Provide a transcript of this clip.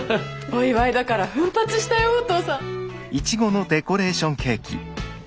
お祝いだから奮発したよお父さん。